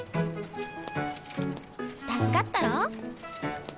助かったろ？